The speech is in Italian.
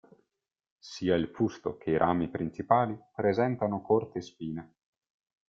Sia il fusto che i rami principali presentano corte spine.